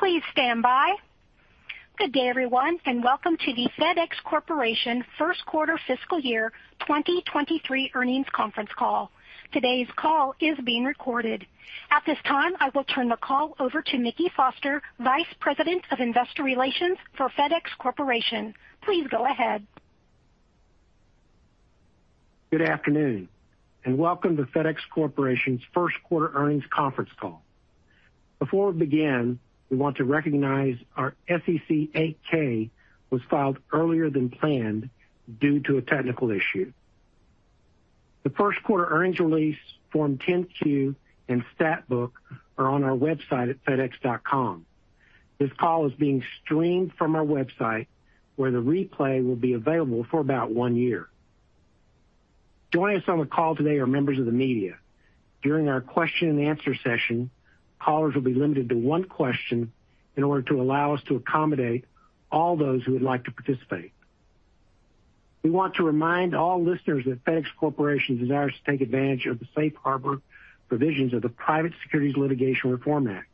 Please stand by. Good day, everyone, and welcome to the FedEx Corporation First Quarter Fiscal Year 2023 Earnings Conference Call. Today's call is being recorded. At this time, I will turn the call over to Mickey Foster, Vice President of Investor Relations for FedEx Corporation. Please go ahead. Good afternoon and welcome to FedEx Corporation's first quarter earnings conference call. Before we begin, we want to recognize our SEC 8-K was filed earlier than planned due to a technical issue. The first quarter earnings release, form 10-Q and stat book are on our website at fedex.com. This call is being streamed from our website, where the replay will be available for about one year. Joining us on the call today are members of the media. During our question and answer session, callers will be limited to one question in order to allow us to accommodate all those who would like to participate. We want to remind all listeners that FedEx Corporation desires to take advantage of the safe harbor provisions of the Private Securities Litigation Reform Act.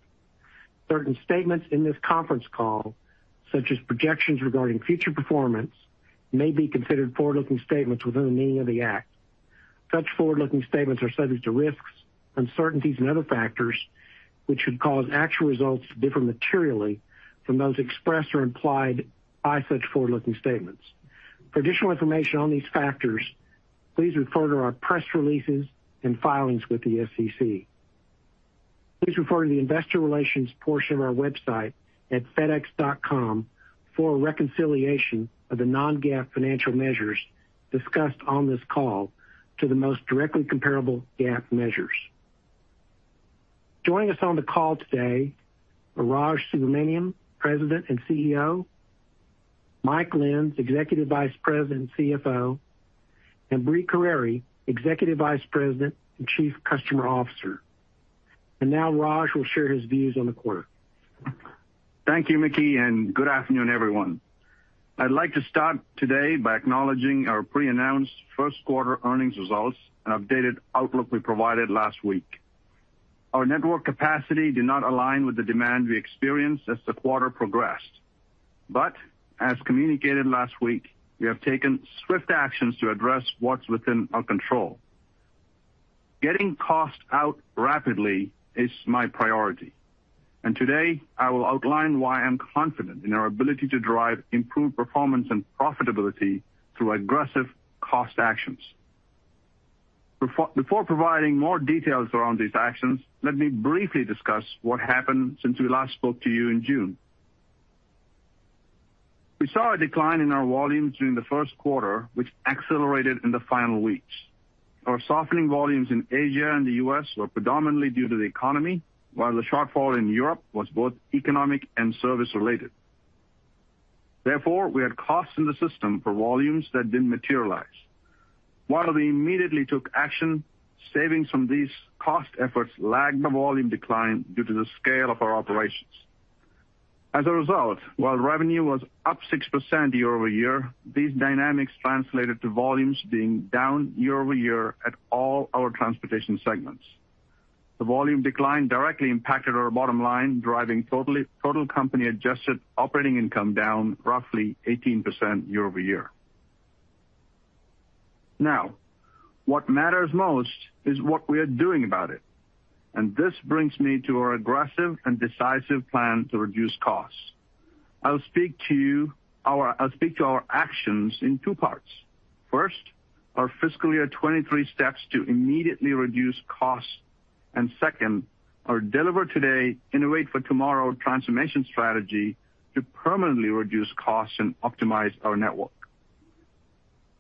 Certain statements in this conference call, such as projections regarding future performance, may be considered forward-looking statements within the meaning of the Act. Such forward-looking statements are subject to risks, uncertainties, and other factors which would cause actual results to differ materially from those expressed or implied by such forward-looking statements. For additional information on these factors, please refer to our press releases and filings with the SEC. Please refer to the investor relations portion of our website at fedex.com for a reconciliation of the non-GAAP financial measures discussed on this call to the most directly comparable GAAP measures. Joining us on the call today, Raj Subramaniam, President and CEO, Mike Lenz, Executive Vice President and CFO, and Brie Carere, Executive Vice President and Chief Customer Officer. Now Raj will share his views on the quarter. Thank you, Mickey, and good afternoon, everyone. I'd like to start today by acknowledging our pre-announced first quarter earnings results and updated outlook we provided last week. Our network capacity did not align with the demand we experienced as the quarter progressed. As communicated last week, we have taken swift actions to address what's within our control. Getting costs out rapidly is my priority. Today I will outline why I'm confident in our ability to drive improved performance and profitability through aggressive cost actions. Before providing more details around these actions, let me briefly discuss what happened since we last spoke to you in June. We saw a decline in our volumes during the first quarter, which accelerated in the final weeks. Our softening volumes in Asia and the U.S. were predominantly due to the economy, while the shortfall in Europe was both economic and service-related. Therefore, we had costs in the system for volumes that didn't materialize. While we immediately took action, savings from these cost efforts lagged the volume decline due to the scale of our operations. As a result, while revenue was up 6% year-over-year, these dynamics translated to volumes being down year-over-year at all our transportation segments. The volume decline directly impacted our bottom line, driving total company adjusted operating income down roughly 18% year-over-year. Now, what matters most is what we are doing about it. This brings me to our aggressive and decisive plan to reduce costs. I'll speak to our actions in two parts. First, our fiscal year 2023 steps to immediately reduce costs. Second, our Deliver Today, Innovate for Tomorrow transformation strategy to permanently reduce costs and optimize our network.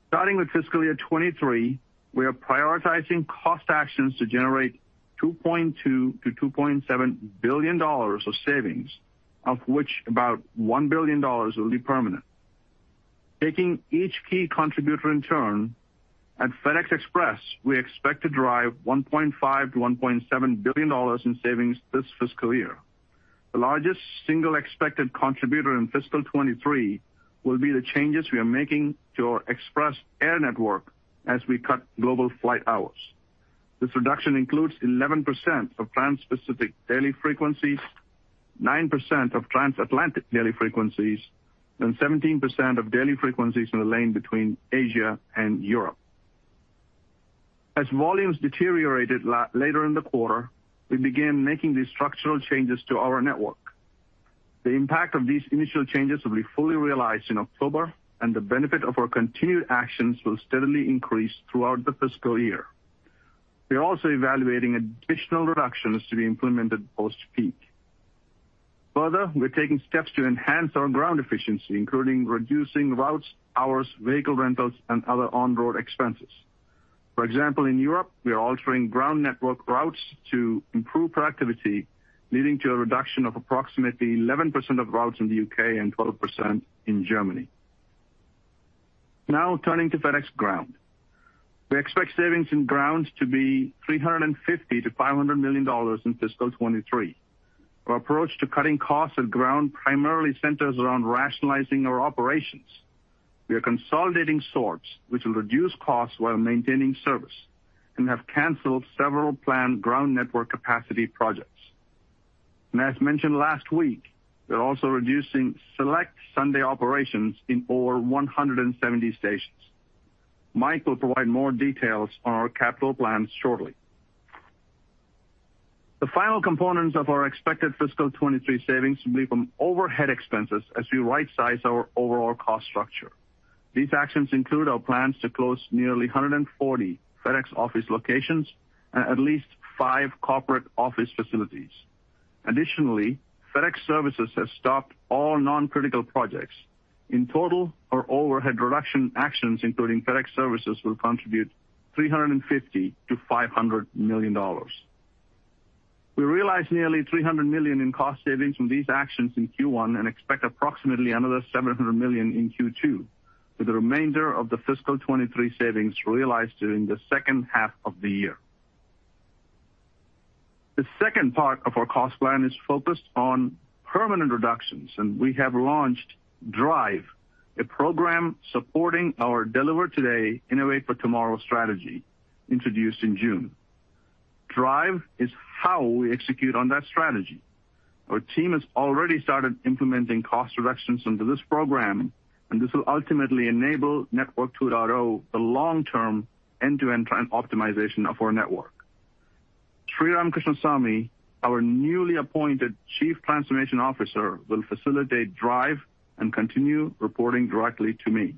Starting with fiscal year 2023, we are prioritizing cost actions to generate $2.2 billion-$2.7 billion of savings, of which about $1 billion will be permanent. Taking each key contributor in turn, at FedEx Express, we expect to drive $1.5 billion-$1.7 billion in savings this fiscal year. The largest single expected contributor in fiscal 2023 will be the changes we are making to our Express air network as we cut global flight hours. This reduction includes 11% of transpacific daily frequencies, 9% of transatlantic daily frequencies, and 17% of daily frequencies in the lane between Asia and Europe. As volumes deteriorated later in the quarter, we began making these structural changes to our network. The impact of these initial changes will be fully realized in October, and the benefit of our continued actions will steadily increase throughout the fiscal year. We are also evaluating additional reductions to be implemented post-peak. Further, we're taking steps to enhance our Ground efficiency, including reducing routes, hours, vehicle rentals, and other on-road expenses. For example, in Europe, we are altering Ground network routes to improve productivity, leading to a reduction of approximately 11% of routes in the U.K. and 12% in Germany. Now turning to FedEx Ground. We expect savings in Ground to be $350 million-$500 million in fiscal 2023. Our approach to cutting costs at Ground primarily centers around rationalizing our operations. We are consolidating sorts, which will reduce costs while maintaining service, and have canceled several planned Ground network capacity projects. As mentioned last week, we're also reducing select Sunday operations in over 170 stations. Mike will provide more details on our capital plans shortly. The final components of our expected fiscal 2023 savings will be from overhead expenses as we right-size our overall cost structure. These actions include our plans to close nearly 140 FedEx Office locations and at least five corporate office facilities. Additionally, FedEx Services has stopped all non-critical projects. In total, our overhead reduction actions, including FedEx Services, will contribute $350 million-$500 million. We realized nearly $300 million in cost savings from these actions in Q1 and expect approximately another $700 million in Q2, with the remainder of the fiscal 2023 savings realized during the second half of the year. The second part of our cost plan is focused on permanent reductions, and we have launched DRIVE, a program supporting our Deliver Today, Innovate for Tomorrow strategy introduced in June. DRIVE is how we execute on that strategy. Our team has already started implementing cost reductions under this program, and this will ultimately enable Network 2.0, the long-term end-to-end transformation of our network. Sriram Krishnasamy, our newly appointed Chief Transformation Officer, will facilitate DRIVE and continue reporting directly to me.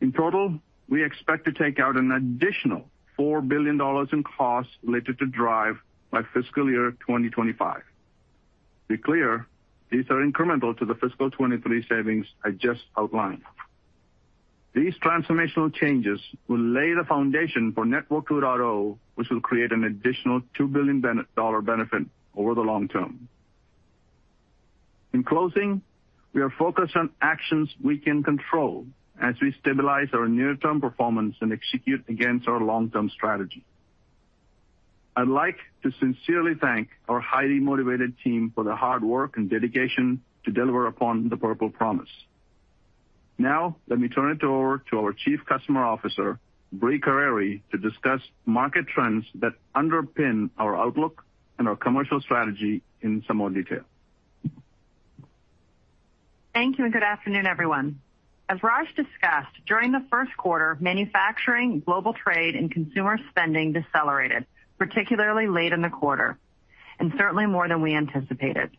In total, we expect to take out an additional $4 billion in costs related to DRIVE by fiscal year 2025. To be clear, these are incremental to the fiscal 2023 savings I just outlined. These transformational changes will lay the foundation for Network 2.0, which will create an additional $2 billion-dollar benefit over the long term. In closing, we are focused on actions we can control as we stabilize our near-term performance and execute against our long-term strategy. I'd like to sincerely thank our highly motivated team for their hard work and dedication to deliver upon the Purple Promise. Now, let me turn it over to our Chief Customer Officer, Brie Carere, to discuss market trends that underpin our outlook and our commercial strategy in some more detail. Thank you, and good afternoon, everyone. As Raj discussed, during the first quarter, manufacturing, global trade, and consumer spending decelerated, particularly late in the quarter, and certainly more than we anticipated.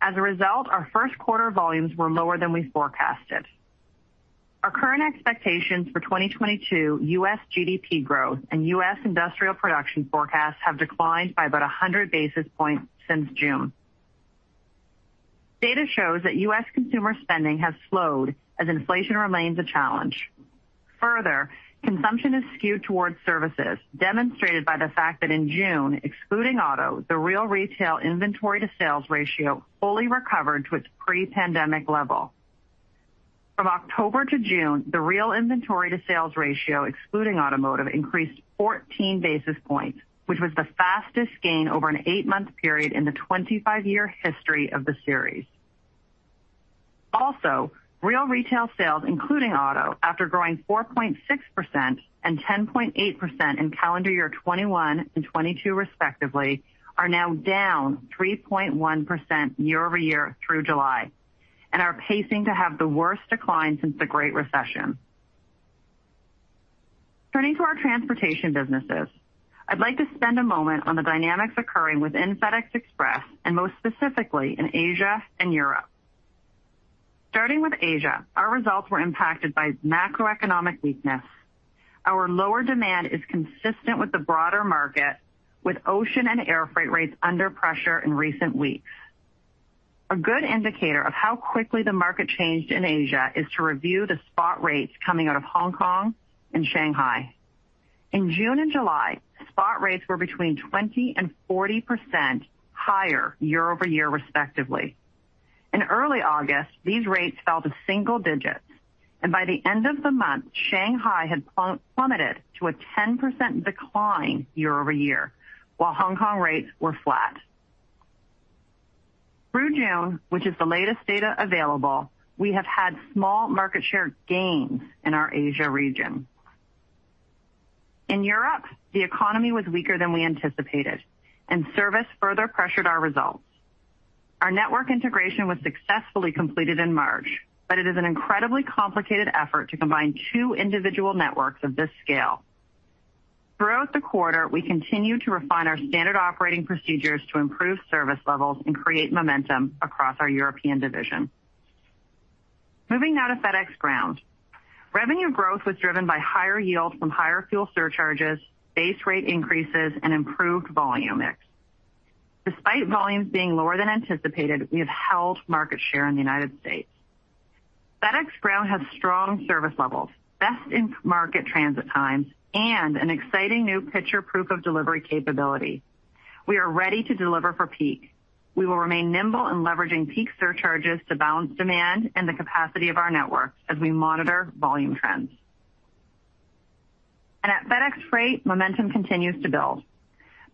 As a result, our first quarter volumes were lower than we forecasted. Our current expectations for 2022 U.S. GDP growth and U.S. industrial production forecasts have declined by about 100 basis points since June. Data shows that U.S. consumer spending has slowed as inflation remains a challenge. Further, consumption is skewed towards services, demonstrated by the fact that in June, excluding auto, the real retail inventory to sales ratio fully recovered to its pre-pandemic level. From October to June, the real inventory to sales ratio, excluding automotive, increased 14 basis points, which was the fastest gain over an 8-month period in the 25-year history of the series. Also, real retail sales, including auto, after growing 4.6% and 10.8% in calendar year 2021 and 2022 respectively, are now down 3.1% year-over-year through July and are pacing to have the worst decline since the Great Recession. Turning to our transportation businesses, I'd like to spend a moment on the dynamics occurring within FedEx Express and most specifically in Asia and Europe. Starting with Asia, our results were impacted by macroeconomic weakness. Our lower demand is consistent with the broader market, with ocean and air freight rates under pressure in recent weeks. A good indicator of how quickly the market changed in Asia is to review the spot rates coming out of Hong Kong and Shanghai. In June and July, spot rates were between 20% and 40% higher year-over-year respectively. In early August, these rates fell to single digits, and by the end of the month, Shanghai had plummeted to a 10% decline year-over-year, while Hong Kong rates were flat. Through June, which is the latest data available, we have had small market share gains in our Asia region. In Europe, the economy was weaker than we anticipated, and service further pressured our results. Our network integration was successfully completed in March, but it is an incredibly complicated effort to combine two individual networks of this scale. Throughout the quarter, we continued to refine our standard operating procedures to improve service levels and create momentum across our European division. Moving now to FedEx Ground. Revenue growth was driven by higher yield from higher fuel surcharges, base rate increases, and improved volume mix. Despite volumes being lower than anticipated, we have held market share in the United States. FedEx Ground has strong service levels, best-in-market transit times, and an exciting new picture proof of delivery capability. We are ready to deliver for peak. We will remain nimble in leveraging peak surcharges to balance demand and the capacity of our network as we monitor volume trends. FedEx Freight momentum continues to build.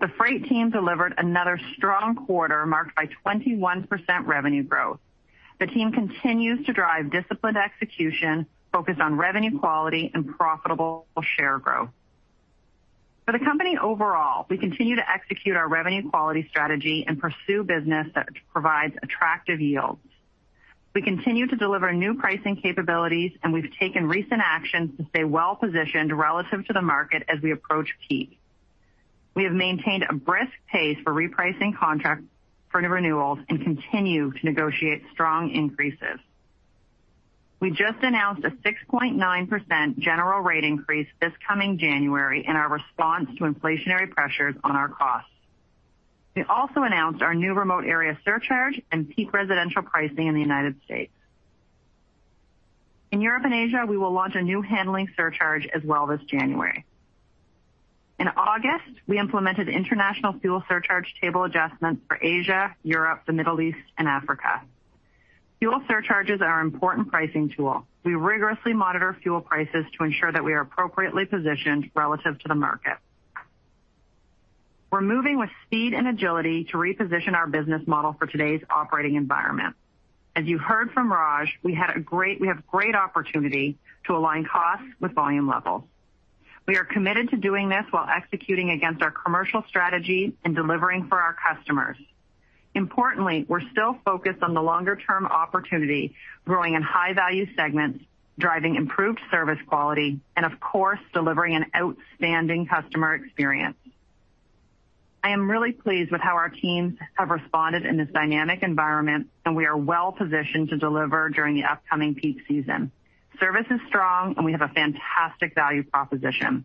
The Freight team delivered another strong quarter marked by 21% revenue growth. The team continues to drive disciplined execution focused on revenue quality and profitable share growth. For the company overall, we continue to execute our revenue quality strategy and pursue business that provides attractive yields. We continue to deliver new pricing capabilities, and we've taken recent actions to stay well-positioned relative to the market as we approach peak. We have maintained a brisk pace for repricing contract for renewals and continue to negotiate strong increases. We just announced a 6.9% general rate increase this coming January in our response to inflationary pressures on our costs. We also announced our new remote area surcharge and peak residential pricing in the United States. In Europe and Asia, we will launch a new handling surcharge as well this January. In August, we implemented international fuel surcharge table adjustments for Asia, Europe, the Middle East and Africa. Fuel surcharges are an important pricing tool. We rigorously monitor fuel prices to ensure that we are appropriately positioned relative to the market. We're moving with speed and agility to reposition our business model for today's operating environment. As you heard from Raj, we have great opportunity to align costs with volume levels. We are committed to doing this while executing against our commercial strategy and delivering for our customers. Importantly, we're still focused on the longer-term opportunity, growing in high-value segments, driving improved service quality, and of course, delivering an outstanding customer experience. I am really pleased with how our teams have responded in this dynamic environment, and we are well-positioned to deliver during the upcoming peak season. Service is strong and we have a fantastic value proposition.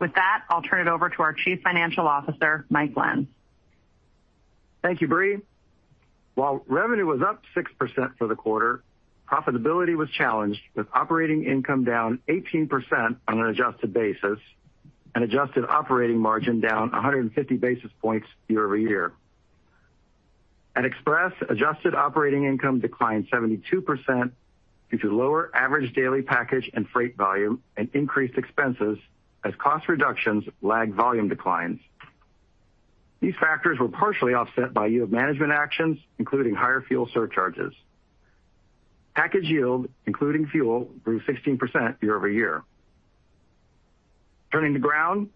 With that, I'll turn it over to our Chief Financial Officer, Mike Lenz. Thank you, Brie. While revenue was up 6% for the quarter, profitability was challenged, with operating income down 18% on an adjusted basis and adjusted operating margin down 150 basis points year-over-year. At Express, adjusted operating income declined 72% due to lower average daily package and freight volume and increased expenses as cost reductions lagged volume declines. These factors were partially offset by yield management actions, including higher fuel surcharges. Package yield, including fuel, grew 16% year-over-year. Turning to Ground.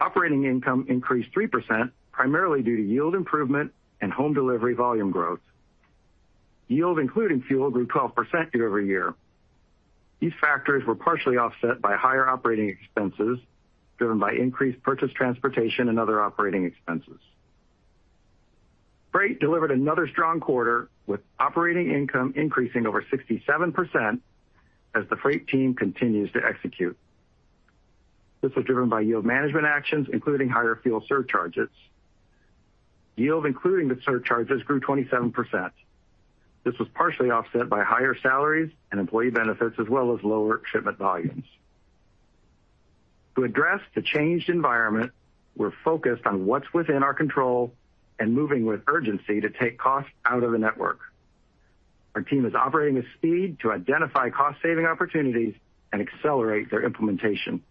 Operating income increased 3%, primarily due to yield improvement and home delivery volume growth. Yield including fuel grew 12% year-over-year. These factors were partially offset by higher operating expenses driven by increased purchase transportation and other operating expenses. Freight delivered another strong quarter, with operating income increasing over 67% as the Freight team continues to execute. This was driven by yield management actions, including higher fuel surcharges. Yield, including the surcharges, grew 27%. This was partially offset by higher salaries and employee benefits, as well as lower shipment volumes. To address the changed environment, we're focused on what's within our control and moving with urgency to take costs out of the network. Our team is operating with speed to identify cost-saving opportunities and accelerate their implementation.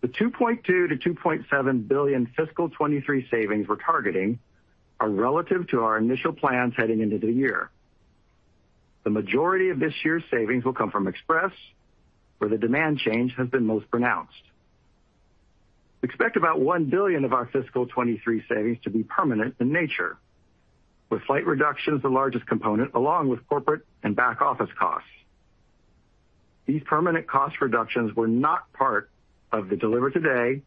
The $2.2 billion-$2.7 billion fiscal 2023 savings we're targeting are relative to our initial plans heading into the year. The majority of this year's savings will come from Express, where the demand change has been most pronounced. Expect about $1 billion of our fiscal 2023 savings to be permanent in nature, with flight reductions the largest component, along with corporate and back-office costs. These permanent cost reductions were not part of the Deliver Today,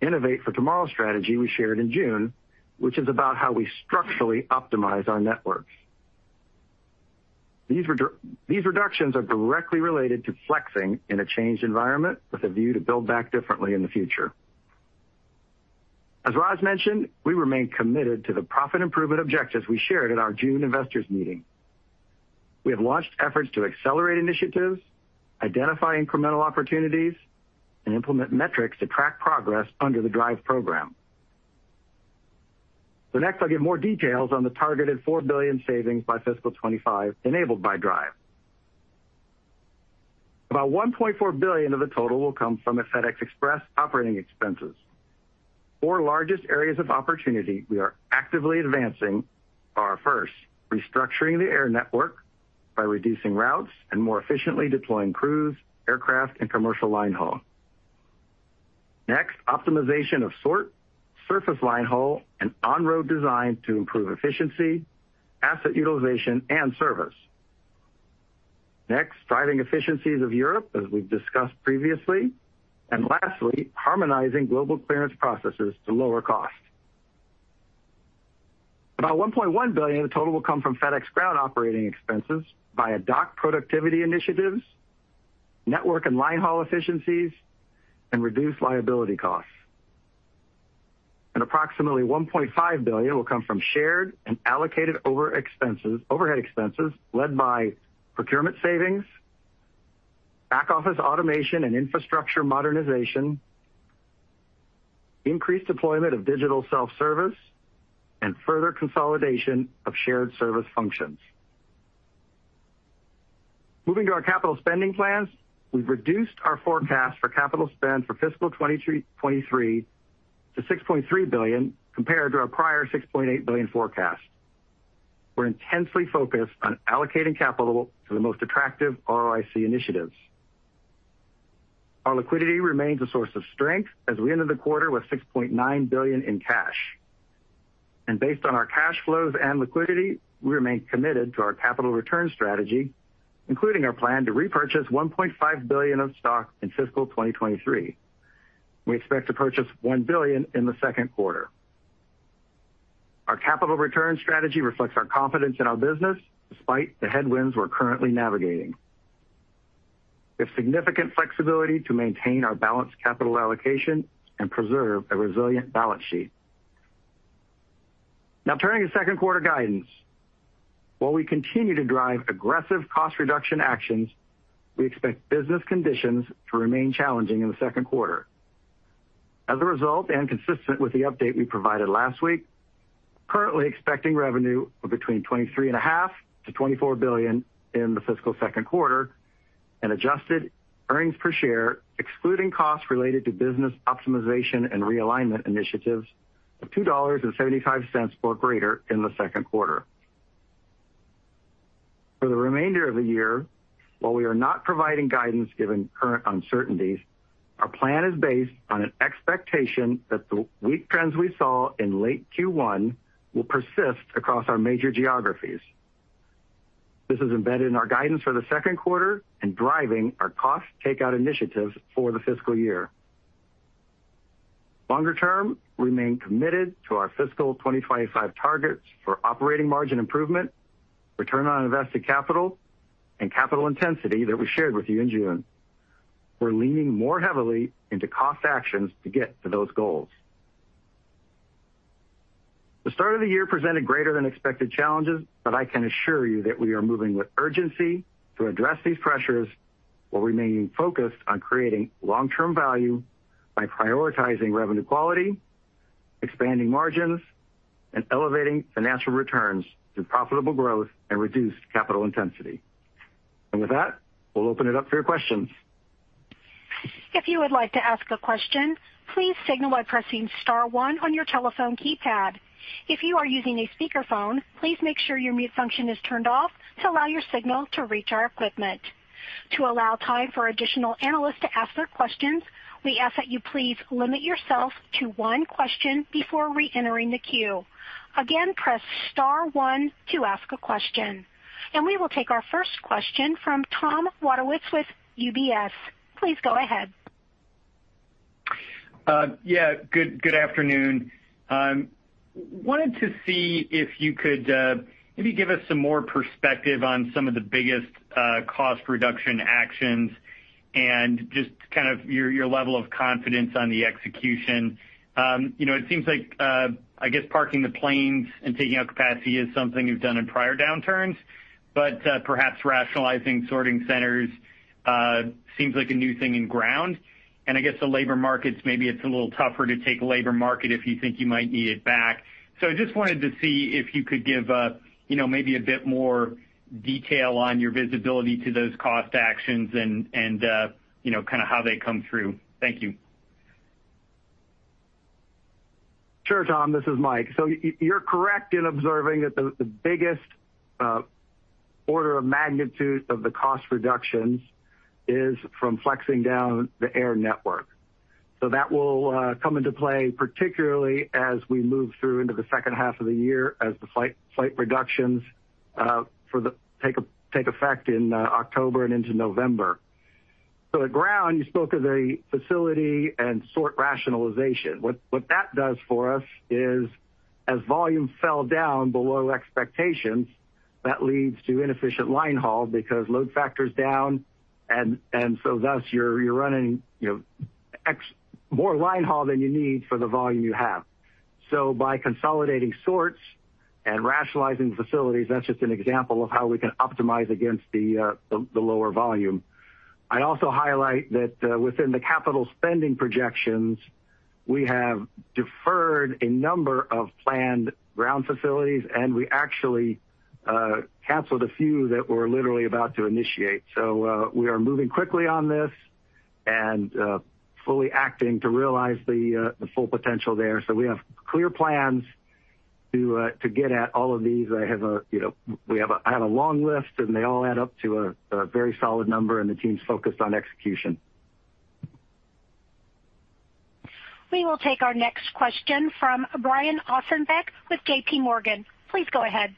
Innovate for Tomorrow strategy we shared in June, which is about how we structurally optimize our networks. These reductions are directly related to flexing in a changed environment with a view to build back differently in the future. As Raj mentioned, we remain committed to the profit improvement objectives we shared at our June investors meeting. We have launched efforts to accelerate initiatives, identify incremental opportunities, and implement metrics to track progress under the DRIVE program. Next, I'll give more details on the targeted $4 billion savings by fiscal 2025 enabled by DRIVE. About $1.4 billion of the total will come from the FedEx Express operating expenses. Four largest areas of opportunity we are actively advancing are, first, restructuring the air network by reducing routes and more efficiently deploying crews, aircraft, and commercial line haul. Next, optimization of sort, surface line haul, and on-road design to improve efficiency, asset utilization, and service. Next, driving efficiencies of Europe, as we've discussed previously. Lastly, harmonizing global clearance processes to lower cost. About $1.1 billion of the total will come from FedEx Ground operating expenses via dock productivity initiatives, network and line haul efficiencies, and reduced liability costs. Approximately $1.5 billion will come from shared and allocated overhead expenses led by procurement savings, back-office automation and infrastructure modernization. Increased deployment of digital self-service and further consolidation of shared service functions. Moving to our capital spending plans, we've reduced our forecast for capital spend for fiscal 2023 to $6.3 billion compared to our prior $6.8 billion forecast. We're intensely focused on allocating capital to the most attractive ROIC initiatives. Our liquidity remains a source of strength as we ended the quarter with $6.9 billion in cash. Based on our cash flows and liquidity, we remain committed to our capital return strategy, including our plan to repurchase $1.5 billion of stock in fiscal 2023. We expect to purchase $1 billion in the second quarter. Our capital return strategy reflects our confidence in our business despite the headwinds we're currently navigating. We have significant flexibility to maintain our balanced capital allocation and preserve a resilient balance sheet. Now turning to second quarter guidance. While we continue to drive aggressive cost reduction actions, we expect business conditions to remain challenging in the second quarter. As a result, and consistent with the update we provided last week, we are currently expecting revenue of between $23.5 billion-$24 billion in the fiscal second quarter and adjusted earnings per share, excluding costs related to business optimization and realignment initiatives, of $2.75 or greater in the second quarter. For the remainder of the year, while we are not providing guidance given current uncertainties, our plan is based on an expectation that the weak trends we saw in late Q1 will persist across our major geographies. This is embedded in our guidance for the second quarter and driving our cost takeout initiatives for the fiscal year. Longer term, we remain committed to our fiscal 2025 targets for operating margin improvement, return on invested capital and capital intensity that we shared with you in June. We're leaning more heavily into cost actions to get to those goals. The start of the year presented greater than expected challenges, but I can assure you that we are moving with urgency to address these pressures while remaining focused on creating long-term value by prioritizing revenue quality, expanding margins, and elevating financial returns through profitable growth and reduced capital intensity. With that, we'll open it up for your questions. If you would like to ask a question, please signal by pressing star one on your telephone keypad. If you are using a speakerphone, please make sure your mute function is turned off to allow your signal to reach our equipment. To allow time for additional analysts to ask their questions, we ask that you please limit yourself to one question before reentering the queue. Again, press star one to ask a question. We will take our first question from Tom Wadewitz with UBS. Please go ahead. Yeah, good afternoon. Wanted to see if you could maybe give us some more perspective on some of the biggest cost reduction actions and just kind of your level of confidence on the execution. You know, it seems like I guess parking the planes and taking out capacity is something you've done in prior downturns, but perhaps rationalizing sorting centers seems like a new thing in Ground. I guess the labor markets, maybe it's a little tougher to take labor out if you think you might need it back. I just wanted to see if you could give you know, maybe a bit more detail on your visibility to those cost actions and you know, kind of how they come through. Thank you. Sure, Tom, this is Mike. You're correct in observing that the biggest order of magnitude of the cost reductions is from flexing down the air network. That will come into play, particularly as we move through into the second half of the year as the flight reductions take effect in October and into November. At ground, you spoke of a facility and sort rationalization. What that does for us is as volume fell down below expectations, that leads to inefficient line haul because load factor is down, and so thus you're running, you know, more line haul than you need for the volume you have. By consolidating sorts and rationalizing facilities, that's just an example of how we can optimize against the lower volume. I also highlight that within the capital spending projections, we have deferred a number of planned ground facilities, and we actually canceled a few that we're literally about to initiate. We are moving quickly on this and fully acting to realize the full potential there. We have clear plans to get at all of these. I have a long list, you know, and they all add up to a very solid number, and the team's focused on execution. We will take our next question from Brian Ossenbeck with JPMorgan. Please go ahead.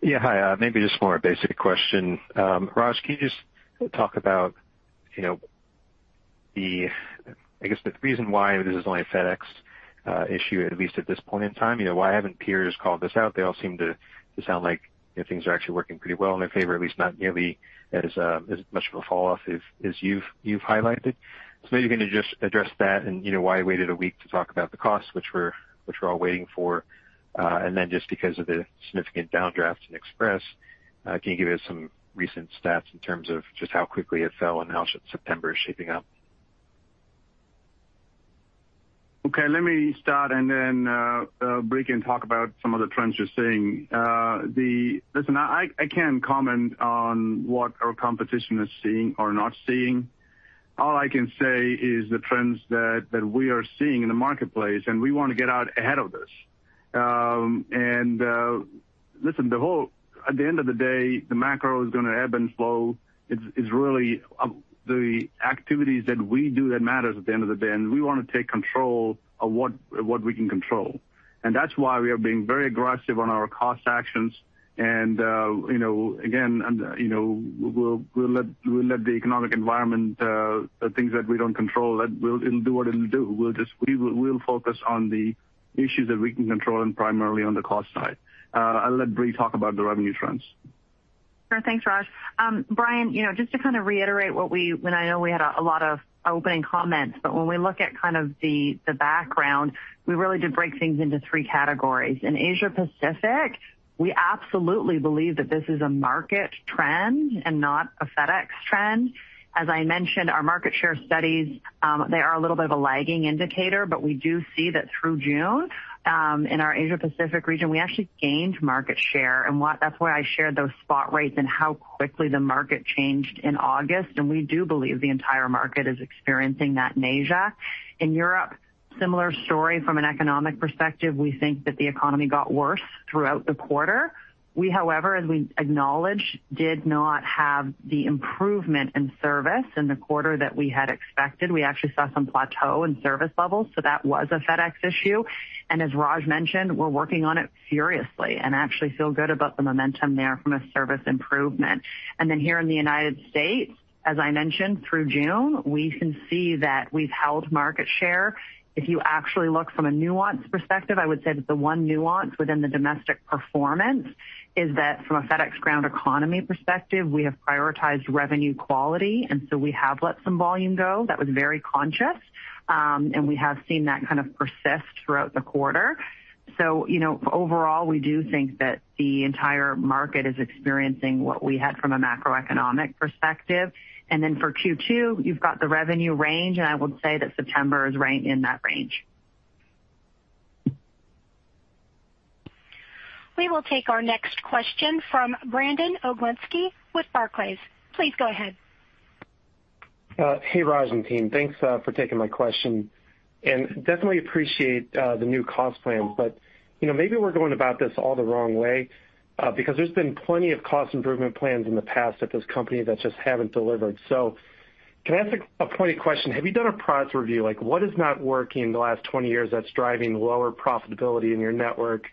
Yeah. Hi. Maybe just more a basic question. Raj, can you just talk about, you know, the, I guess, the reason why this is only a FedEx issue, at least at this point in time? You know, why haven't peers called this out? They all seem to sound like, you know, things are actually working pretty well in their favor, at least not nearly as much of a fall off as you've highlighted. Maybe you can just address that and, you know, why you waited a week to talk about the costs, which we're all waiting for. Just because of the significant downdrafts in Express, can you give us some recent stats in terms of just how quickly it fell and how September is shaping up? Okay, let me start and then, Brie can talk about some of the trends you're seeing. Listen, I can't comment on what our competition is seeing or not seeing. All I can say is the trends that we are seeing in the marketplace, and we wanna get out ahead of this. Listen, at the end of the day, the macro is gonna ebb and flow. It's really of the activities that we do that matters at the end of the day, and we wanna take control of what we can control. That's why we are being very aggressive on our cost actions. You know, we'll let the economic environment, the things that we don't control. It'll do what it'll do. We'll focus on the issues that we can control and primarily on the cost side. I'll let Brie talk about the revenue trends. Sure. Thanks, Raj. Brian, you know, just to kind of reiterate and I know we had a lot of opening comments, but when we look at kind of the background, we really did break things into three categories. In Asia Pacific, we absolutely believe that this is a market trend and not a FedEx trend. As I mentioned, our market share studies, they are a little bit of a lagging indicator, but we do see that through June in our Asia Pacific region, we actually gained market share. That's why I shared those spot rates and how quickly the market changed in August, and we do believe the entire market is experiencing that in Asia. In Europe, similar story from an economic perspective. We think that the economy got worse throughout the quarter. We, however, as we acknowledge, did not have the improvement in service in the quarter that we had expected. We actually saw some plateau in service levels, so that was a FedEx issue. As Raj mentioned, we're working on it furiously and actually feel good about the momentum there from a service improvement. Then here in the United States, as I mentioned, through June, we can see that we've held market share. If you actually look from a nuance perspective, I would say that the one nuance within the domestic performance is that from a FedEx Ground Economy perspective, we have prioritized revenue quality, and so we have let some volume go. That was very conscious. We have seen that kind of persist throughout the quarter. You know, overall, we do think that the entire market is experiencing what we had from a macroeconomic perspective. For Q2, you've got the revenue range, and I would say that September is ranked in that range. We will take our next question from Brandon Oglenski with Barclays. Please go ahead. Hey, Raj and team. Thanks for taking my question, and definitely appreciate the new cost plan. You know, maybe we're going about this all the wrong way, because there's been plenty of cost improvement plans in the past at this company that just haven't delivered. Can I ask a pointed question? Have you done a product review? Like, what is not working in the last 20 years that's driving lower profitability in your network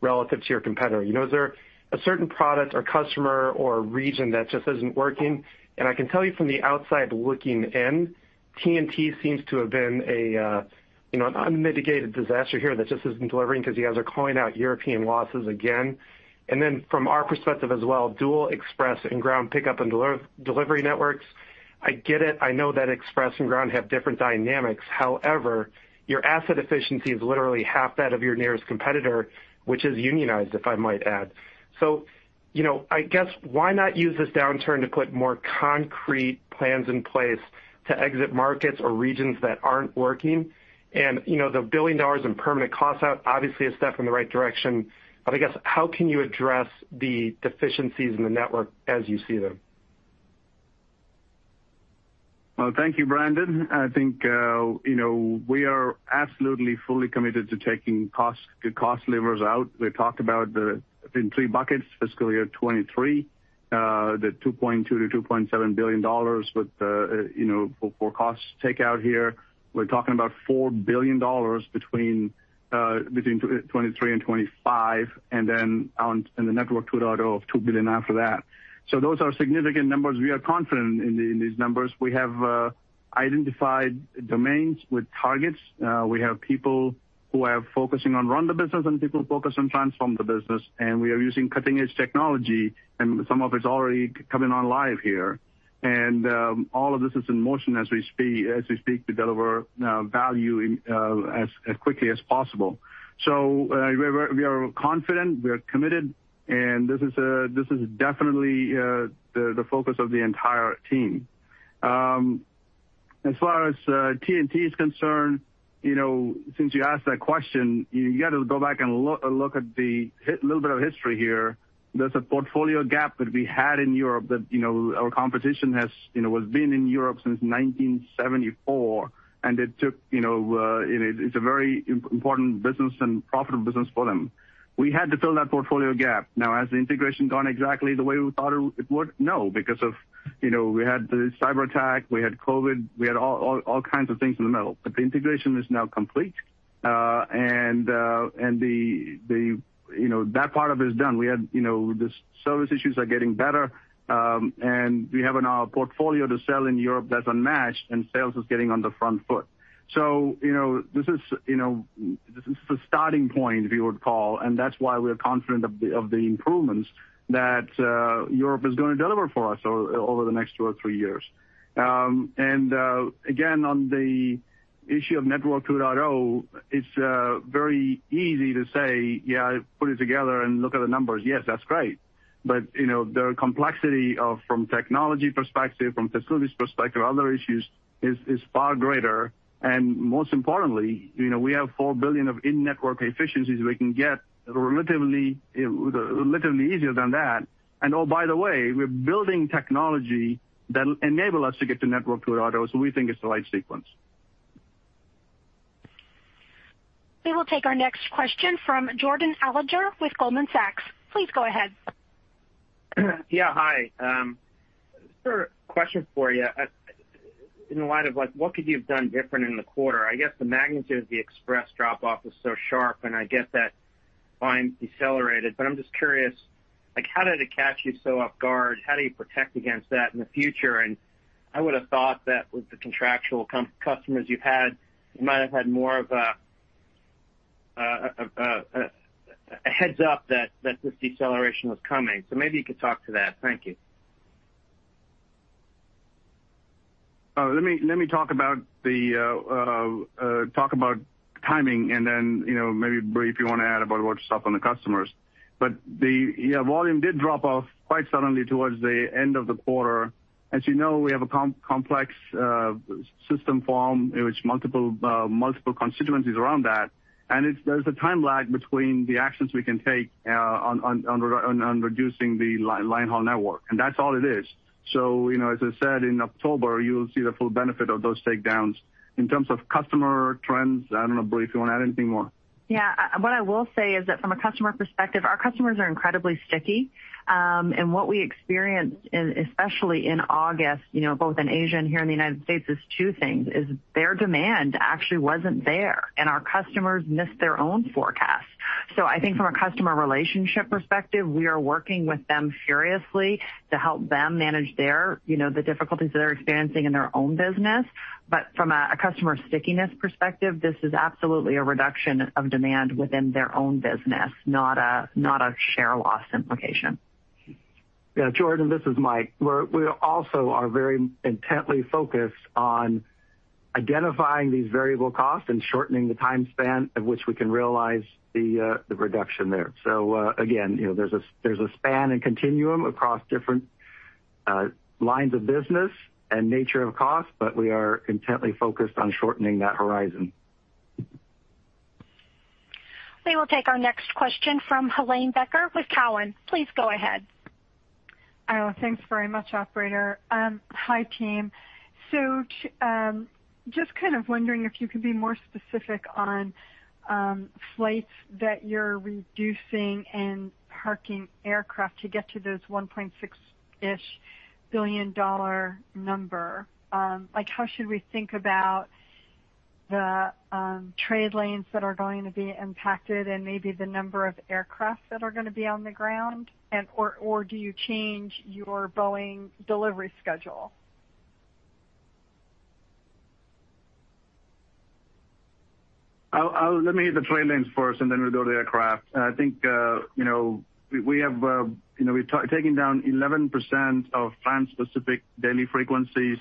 relative to your competitor? You know, is there a certain product or customer or region that just isn't working? I can tell you from the outside looking in, TNT seems to have been a, you know, an unmitigated disaster here that just isn't delivering 'cause you guys are calling out European losses again. From our perspective as well, dual Express and Ground pickup and delivery networks, I get it. I know that Express and Ground have different dynamics. However, your asset efficiency is literally half that of your nearest competitor, which is unionized, if I might add. You know, I guess why not use this downturn to put more concrete plans in place to exit markets or regions that aren't working? You know, the $1 billion in permanent cost out obviously a step in the right direction. I guess, how can you address the deficiencies in the network as you see them? Well, thank you, Brandon. I think, you know, we are absolutely fully committed to taking the cost levers out. We talked about the, I think, three buckets, fiscal year 2023, the $2.2 billion-$2.7 billion with, you know, for cost takeout here. We're talking about $4 billion between 2023 and 2025, and then the Network 2.0 of $2 billion after that. Those are significant numbers. We are confident in these numbers. We have identified domains with targets. We have people who are focusing on run the business and people focused on transform the business, and we are using cutting-edge technology, and some of it's already coming on live here. All of this is in motion as we speak to deliver value in as quickly as possible. We are confident, we are committed, and this is definitely the focus of the entire team. As far as TNT is concerned, you know, since you asked that question, you got to go back and look at a little bit of history here. There's a portfolio gap that we had in Europe that, you know, our competition has, you know, has been in Europe since 1974, and it took, you know, and it's a very important business and profitable business for them. We had to fill that portfolio gap. Now, has the integration gone exactly the way we thought it would? No, because of, you know, we had the cyberattack, we had COVID, we had all kinds of things in the middle. The integration is now complete. You know, that part of it is done. We had, you know, the service issues are getting better, and we have in our portfolio to sell in Europe that's unmatched, and sales is getting on the front foot. You know, this is the starting point, if you would call, and that's why we are confident of the improvements that Europe is gonna deliver for us over the next two or three years. Again, on the issue of Network 2.0, it's very easy to say, "Yeah, put it together and look at the numbers." Yes, that's great. You know, the complexity from a technology perspective, from facilities perspective, other issues is far greater. Most importantly, you know, we have $4 billion in in-network efficiencies we can get relatively easier than that. Oh, by the way, we're building technology that'll enable us to get to Network 2.0. We think it's the right sequence. We will take our next question from Jordan Alliger with Goldman Sachs. Please go ahead. Yeah, hi. Sort of question for you. In the light of, like, what could you have done different in the quarter? I guess the magnitude of the express drop-off was so sharp, and I get that volume decelerated, but I'm just curious, like, how did it catch you so off guard? How do you protect against that in the future? I would have thought that with the contractual customers you've had, you might have had more of a heads up that this deceleration was coming. Maybe you could talk to that. Thank you. Let me talk about timing and then, you know, maybe, Brie, if you want to add about what's up on the customers. The volume did drop off quite suddenly towards the end of the quarter. As you know, we have a complex system formed in which multiple constituencies around that. There's a time lag between the actions we can take on reducing the line haul network, and that's all it is. You know, as I said, in October, you'll see the full benefit of those takedowns. In terms of customer trends, I don't know, Brie, if you want to add anything more. Yeah. What I will say is that from a customer perspective, our customers are incredibly sticky. What we experienced in, especially in August, you know, both in Asia and here in the United States, is two things, their demand actually wasn't there, and our customers missed their own forecast. I think from a customer relationship perspective, we are working with them furiously to help them manage their, you know, the difficulties they're experiencing in their own business. From a customer stickiness perspective, this is absolutely a reduction of demand within their own business, not a share loss implication. Yeah. Jordan, this is Mike. We also are very intently focused on identifying these variable costs and shortening the time span at which we can realize the reduction there. Again, you know, there's a span and continuum across different lines of business and nature of cost, but we are intently focused on shortening that horizon. We will take our next question from Helane Becker with Cowen. Please go ahead. Thanks very much, operator. Hi, team. Just kind of wondering if you could be more specific on flights that you're reducing and parking aircraft to get to those $1.6-ish billion number. Like, how should we think about the trade lanes that are going to be impacted and maybe the number of aircraft that are gonna be on the ground? Or do you change your Boeing delivery schedule? Let me hit the trade lanes first, and then we'll go to the aircraft. I think, you know, we have, you know, we're taking down 11% of transpacific daily frequencies,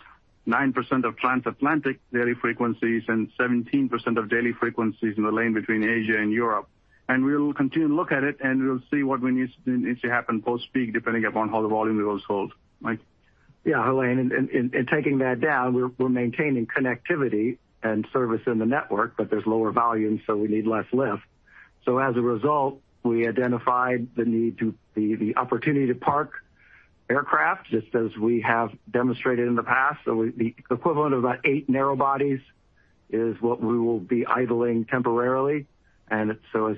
9% of transatlantic daily frequencies, and 17% of daily frequencies in the lane between Asia and Europe. We'll continue to look at it, and we'll see what we need needs to happen post-peak, depending upon how the volume goes forward. Mike. Yeah, Helane. In taking that down, we're maintaining connectivity and service in the network, but there's lower volume, so we need less lift. As a result, we identified the opportunity to park aircraft, just as we have demonstrated in the past. The equivalent of about 8 narrow bodies is what we will be idling temporarily. As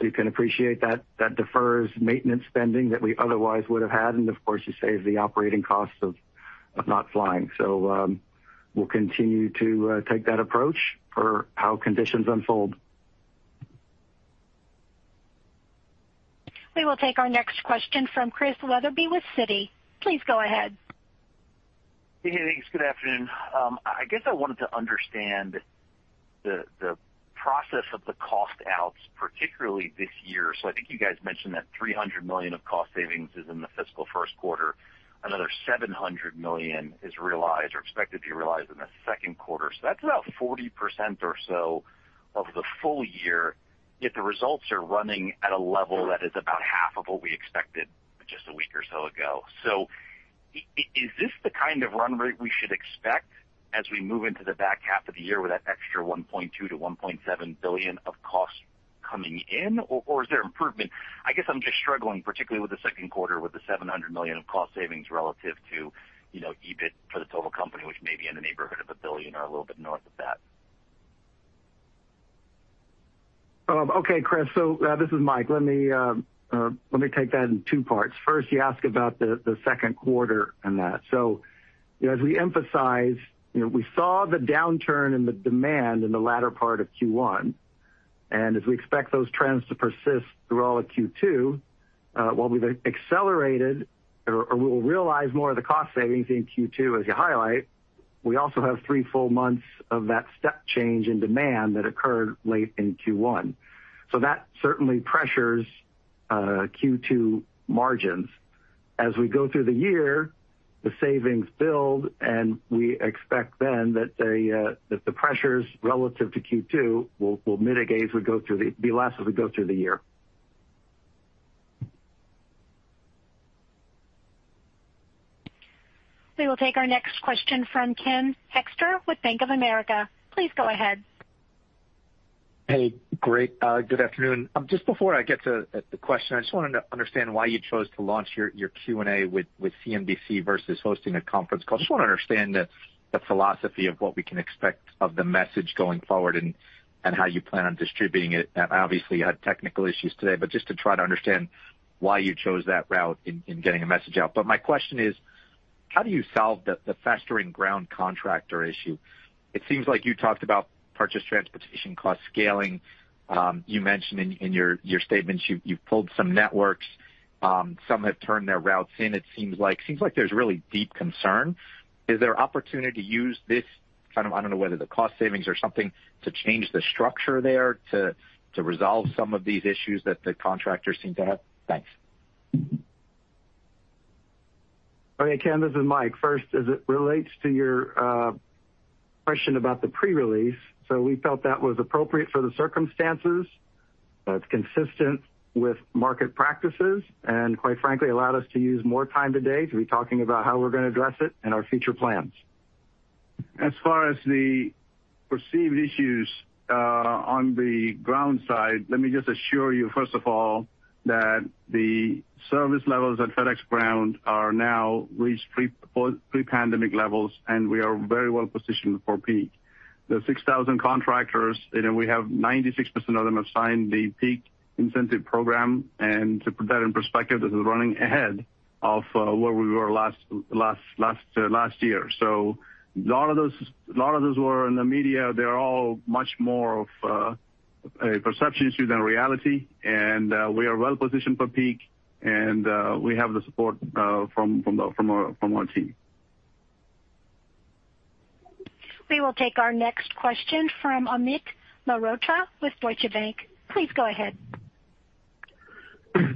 you can appreciate, that defers maintenance spending that we otherwise would have had, and of course, you save the operating cost of not flying. We'll continue to take that approach for how conditions unfold. We will take our next question from Chris Wetherbee with Citi. Please go ahead. Hey, thanks. Good afternoon. I guess I wanted to understand the process of the cost outs, particularly this year. I think you guys mentioned that $300 million of cost savings is in the fiscal first quarter. Another $700 million is realized or expected to be realized in the second quarter. That's about 40% or so of the full year, yet the results are running at a level that is about half of what we expected just a week or so ago. Is this the kind of run rate we should expect as we move into the back half of the year with that extra $1.2 billion-$1.7 billion of costs coming in, or is there improvement? I guess I'm just struggling, particularly with the second quarter, with the $700 million of cost savings relative to, you know, EBIT for the total company, which may be in the neighborhood of $1 billion or a little bit north of that. Okay, Chris. This is Mike. Let me take that in two parts. First, you ask about the second quarter and that. You know, as we emphasize, you know, we saw the downturn in the demand in the latter part of Q1. We expect those trends to persist throughout Q2, while we've accelerated or we'll realize more of the cost savings in Q2, as you highlight, we also have three full months of that step change in demand that occurred late in Q1. That certainly pressures Q2 margins. As we go through the year, the savings build, and we expect then that the pressures relative to Q2 will be less as we go through the year. We will take our next question from Ken Hoexter with Bank of America. Please go ahead. Hey, great. Good afternoon. Just before I get to the question, I just wanted to understand why you chose to launch your Q&A with CNBC versus hosting a conference call. Just wanna understand the philosophy of what we can expect of the message going forward and how you plan on distributing it. Obviously, you had technical issues today, but just to try to understand why you chose that route in getting a message out. My question is, how do you solve the festering ground contractor issue? It seems like you talked about purchased transportation cost scaling. You mentioned in your statements you pulled some networks, some have turned their routes in. It seems like there's really deep concern. Is there opportunity to use this kind of, I don't know whether the cost savings or something to change the structure there to resolve some of these issues that the contractors seem to have? Thanks. Okay, Ken, this is Mike. First, as it relates to your question about the pre-release, we felt that was appropriate for the circumstances. It's consistent with market practices and quite frankly allowed us to use more time today to be talking about how we're gonna address it and our future plans. As far as the perceived issues on the ground side, let me just assure you, first of all, that the service levels at FedEx Ground are now reached pre-pandemic levels, and we are very well positioned for peak. The 6,000 contractors, and we have 96% of them have signed the peak incentive program. To put that in perspective, this is running ahead of where we were last year. A lot of those who are in the media, they're all much more of a perception issue than reality. We are well positioned for peak, and we have the support from our team. We will take our next question from Amit Mehrotra with Deutsche Bank. Please go ahead.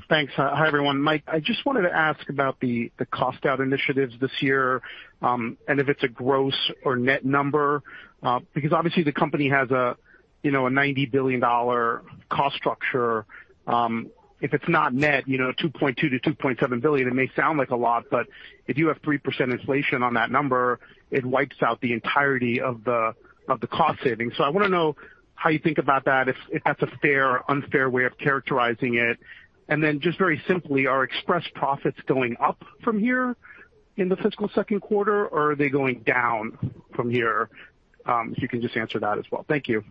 Thanks. Hi, everyone. Mike, I just wanted to ask about the cost out initiatives this year, and if it's a gross or net number, because obviously the company has a $90 billion cost structure. If it's not net, $2.2 billion-$2.7 billion, it may sound like a lot, but if you have 3% inflation on that number, it wipes out the entirety of the cost savings. I wanna know how you think about that, if that's a fair or unfair way of characterizing it. Just very simply, are Express profits going up from here in the fiscal second quarter, or are they going down from here? If you can just answer that as well. Thank you.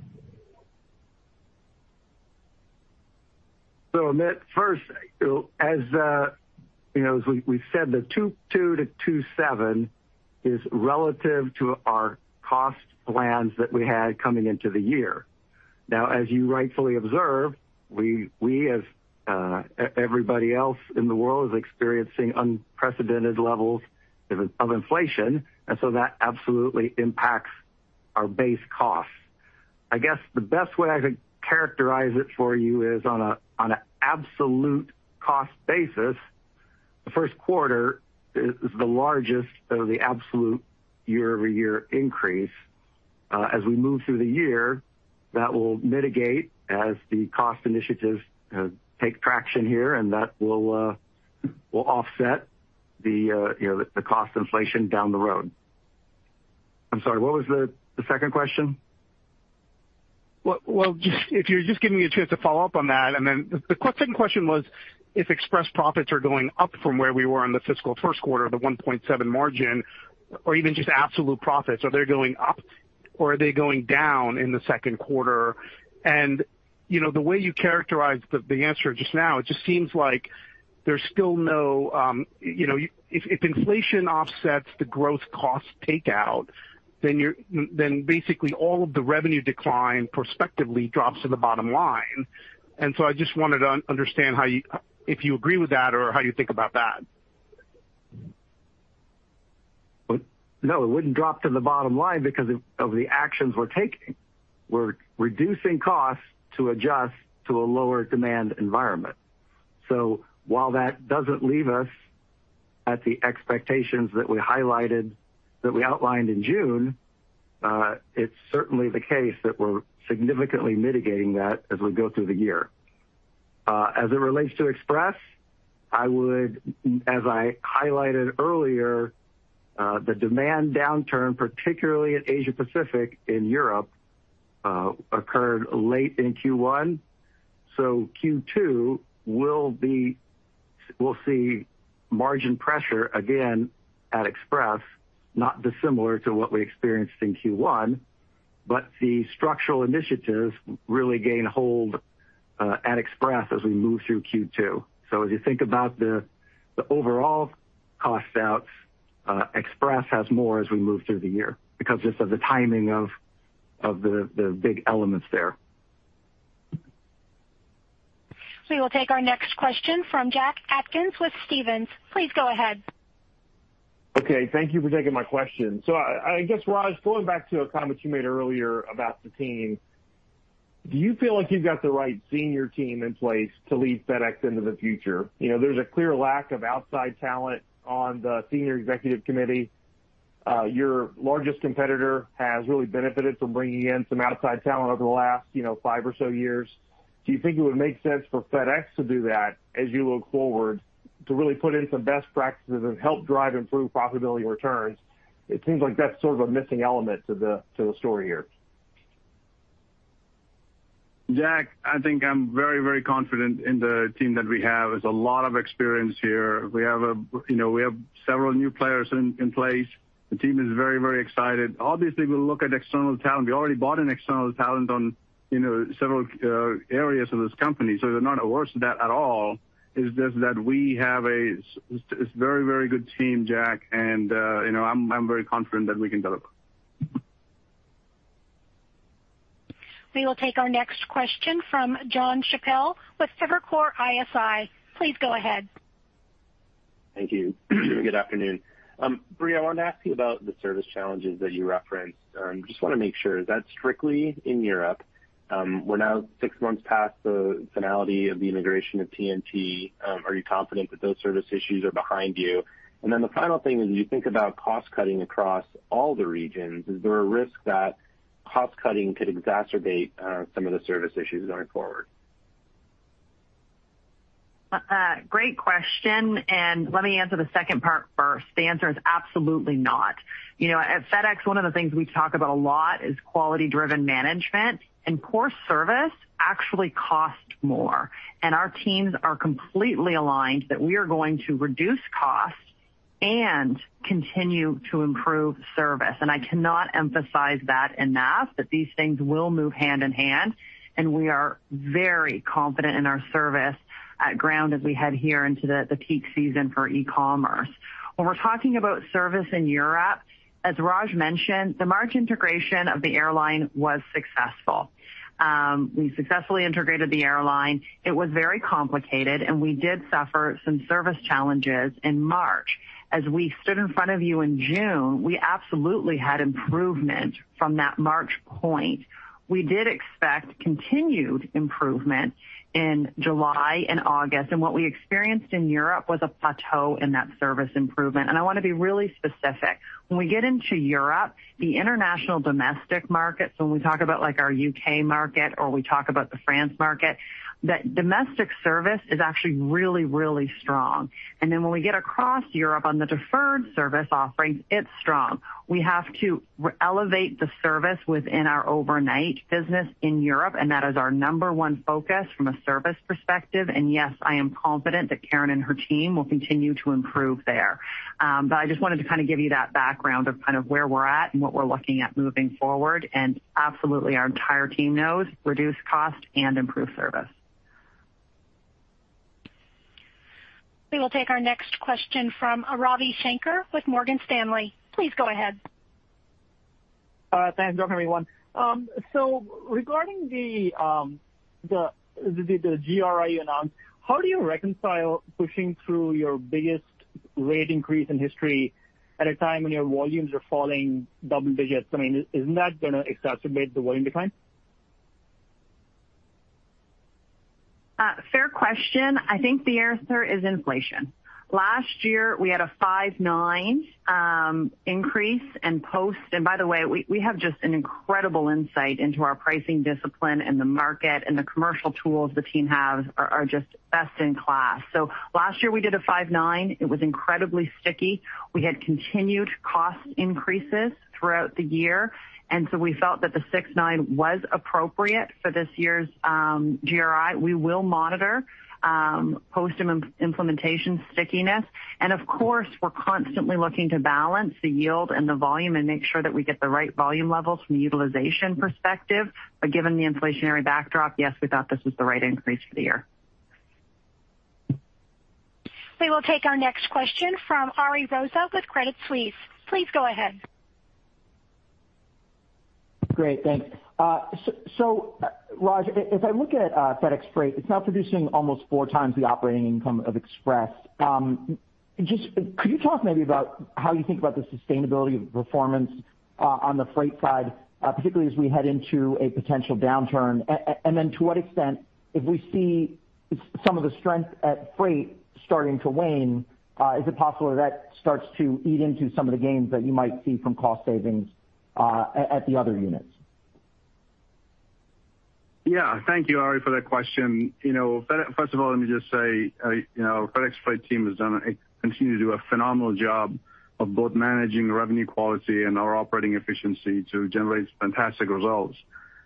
So Amit, first, as you know, as we said, the 2.2 billion-2.7 billion is relative to our cost plans that we had coming into the year. Now, as you rightfully observed, we as everybody else in the world is experiencing unprecedented levels of inflation, and so that absolutely impacts our base costs. I guess the best way I could characterize it for you is on a absolute cost basis, the first quarter is the largest of the absolute year-over-year increase. As we move through the year, that will mitigate as the cost initiatives take traction here, and that will offset the you know, the cost inflation down the road. I'm sorry, what was the second question? Well, if you're just giving me a chance to follow up on that, then the second question was if Express profits are going up from where we were in the fiscal first quarter, the 1.7% margin or even just absolute profits, are they going up or are they going down in the second quarter? You know, the way you characterized the answer just now, it just seems like there's still no, you know. If inflation offsets the growth cost takeout, then basically all of the revenue decline prospectively drops to the bottom line. I just wanted to understand if you agree with that or how you think about that. It wouldn't drop to the bottom line because of the actions we're taking. We're reducing costs to adjust to a lower demand environment. While that doesn't leave us at the expectations that we highlighted, that we outlined in June, it's certainly the case that we're significantly mitigating that as we go through the year. As it relates to Express, I would, as I highlighted earlier, the demand downturn, particularly in Asia Pacific and Europe, occurred late in Q1. Q2 will be. We'll see margin pressure again at Express, not dissimilar to what we experienced in Q1, but the structural initiatives really gain hold at Express as we move through Q2. As you think about the overall cost outs, Express has more as we move through the year because just of the timing of the big elements there. We will take our next question from Jack Atkins with Stephens. Please go ahead. Okay. Thank you for taking my question. I guess, Raj, going back to a comment you made earlier about the team. Do you feel like you've got the right senior team in place to lead FedEx into the future? You know, there's a clear lack of outside talent on the senior executive committee. Your largest competitor has really benefited from bringing in some outside talent over the last, you know, five or so years. Do you think it would make sense for FedEx to do that as you look forward to really put in some best practices and help drive improved profitability returns? It seems like that's sort of a missing element to the story here. Jack, I think I'm very, very confident in the team that we have. There's a lot of experience here. We have, you know, several new players in place. The team is very, very excited. Obviously, we'll look at external talent. We already brought in external talent on, you know, several areas of this company, so we're not averse to that at all. It's just that we have it's very, very good team, Jack, and you know, I'm very confident that we can deliver. We will take our next question from Jonathan Chappell with Evercore ISI. Please go ahead. Thank you. Good afternoon. Brie, I wanted to ask you about the service challenges that you referenced. Just wanna make sure. Is that strictly in Europe? We're now six months past the finality of the integration of TNT. Are you confident that those service issues are behind you? Then the final thing is you think about cost cutting across all the regions. Is there a risk that cost cutting could exacerbate some of the service issues going forward? Great question, and let me answer the second part first. The answer is absolutely not. You know, at FedEx, one of the things we talk about a lot is quality-driven management, and poor service actually costs more. Our teams are completely aligned that we are going to reduce costs and continue to improve service. I cannot emphasize that enough, that these things will move hand in hand, and we are very confident in our service at Ground as we head here into the peak season for e-commerce. When we're talking about service in Europe, as Raj mentioned, the March integration of the airline was successful. We successfully integrated the airline. It was very complicated, and we did suffer some service challenges in March. As we stood in front of you in June, we absolutely had improvement from that March point. We did expect continued improvement in July and August, and what we experienced in Europe was a plateau in that service improvement. I wanna be really specific. When we get into Europe, the international domestic markets, when we talk about, like, our U.K. market or we talk about the France market, that domestic service is actually really, really strong. Then when we get across Europe on the deferred service offerings, it's strong. We have to elevate the service within our overnight business in Europe, and that is our number one focus from a service perspective. Yes, I am confident that Karen and her team will continue to improve there. But I just wanted to kinda give you that background of kind of where we're at and what we're looking at moving forward. Absolutely our entire team knows reduce cost and improve service. We will take our next question from Ravi Shanker with Morgan Stanley. Please go ahead. Thanks. Good morning, everyone. Regarding the GRI announcement, how do you reconcile pushing through your biggest rate increase in history at a time when your volumes are falling double digits? I mean, isn't that gonna exacerbate the volume decline? Fair question. I think the answer is inflation. Last year, we had a 5.9% increase in cost. By the way, we have just an incredible insight into our pricing discipline and the market, and the commercial tools the team has are just best in class. Last year we did a 5.9%. It was incredibly sticky. We had continued cost increases throughout the year, and so we felt that the 6.9% was appropriate for this year's GRI. We will monitor post-implementation stickiness. Of course, we're constantly looking to balance the yield and the volume and make sure that we get the right volume levels from a utilization perspective. Given the inflationary backdrop, yes, we thought this was the right increase for the year. We will take our next question from Ari Rosa with Credit Suisse. Please go ahead. Great. Thanks. Raj, if I look at FedEx Freight, it's now producing almost four times the operating income of Express. Could you talk maybe about how you think about the sustainability of performance on the freight side, particularly as we head into a potential downturn? And then to what extent, if we see some of the strength at Freight starting to wane, is it possible that starts to eat into some of the gains that you might see from cost savings at the other units? Yeah. Thank you, Ari, for that question. You know, first of all, let me just say, you know, FedEx Freight team has done and continue to do a phenomenal job of both managing revenue quality and our operating efficiency to generate fantastic results.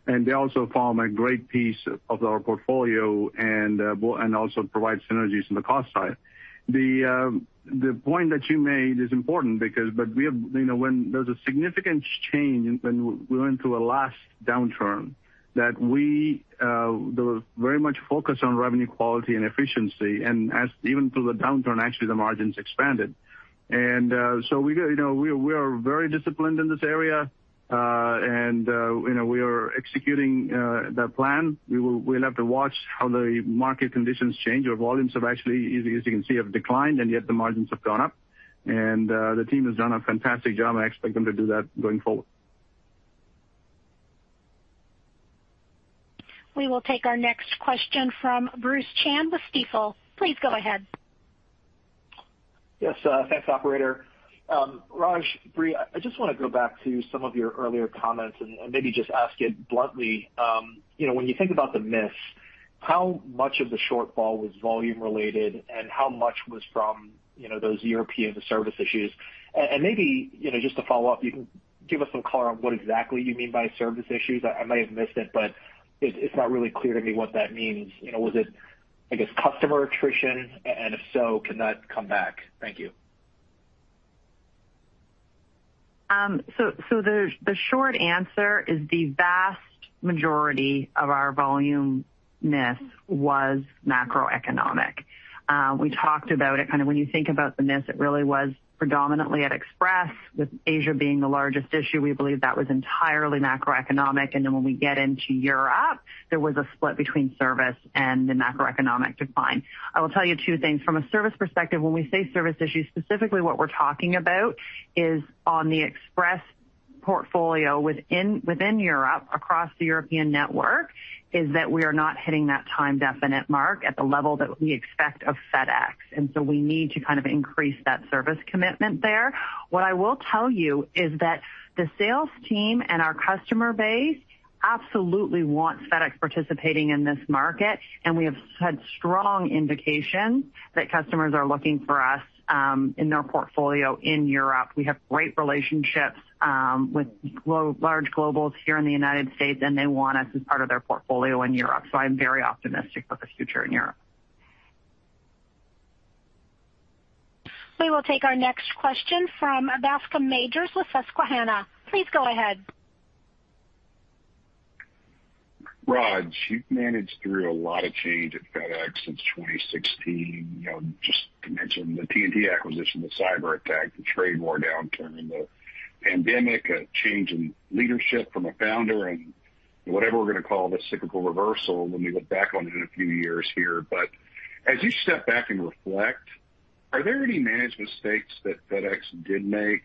They also form a great piece of our portfolio and also provide synergies on the cost side. The point that you made is important because you know, when there's a significant change when we went through the last downturn that there was very much focus on revenue quality and efficiency. Even through the downturn, actually, the margins expanded. You know, we are very disciplined in this area. You know, we are executing the plan. We'll have to watch how the market conditions change. Our volumes have actually, as you can see, have declined, and yet the margins have gone up. The team has done a fantastic job, and I expect them to do that going forward. We will take our next question from Bruce Chan with Stifel. Please go ahead. Yes. Thanks, operator. Raj, Brie, I just wanna go back to some of your earlier comments and maybe just ask you bluntly, you know, when you think about the miss, how much of the shortfall was volume related and how much was from, you know, those European service issues? And maybe, you know, just to follow up, you can give us some color on what exactly you mean by service issues. I might have missed it, but it's not really clear to me what that means. You know, was it, I guess, customer attrition? And if so, can that come back? Thank you. The short answer is the vast majority of our volume miss was macroeconomic. We talked about it kind of when you think about the miss, it really was predominantly at Express with Asia being the largest issue. We believe that was entirely macroeconomic. Then when we get into Europe, there was a split between service and the macroeconomic decline. I will tell you two things. From a service perspective, when we say service issues, specifically what we're talking about is on the Express portfolio within Europe across the European network, is that we are not hitting that time definite mark at the level that we expect of FedEx. We need to kind of increase that service commitment there. What I will tell you is that the sales team and our customer base absolutely want FedEx participating in this market, and we have had strong indication that customers are looking for us in their portfolio in Europe. We have great relationships with large globals here in the United States, and they want us as part of their portfolio in Europe, so I'm very optimistic for the future in Europe. We will take our next question from Bascome Majors with Susquehanna. Please go ahead. Raj, you've managed through a lot of change at FedEx since 2016. You know, just to mention the TNT acquisition, the cyber attack, the trade war downturn, the pandemic, a change in leadership from a founder and whatever we're gonna call this cyclical reversal when we look back on it in a few years here. As you step back and reflect, are there any major mistakes that FedEx did make?